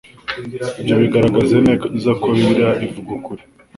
Ibyo bigaragaza neza ko Bibiliya ivuga ukuri,